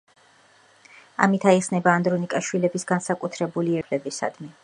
ამით აიხსნება ანდრონიკაშვილების განსაკუთრებული ერთგულება სამეფო ხელისუფლებისადმი.